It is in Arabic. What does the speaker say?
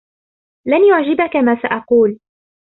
لن يعجبك ما سأقول.